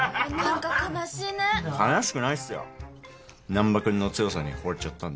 難破君の強さにほれちゃったんで。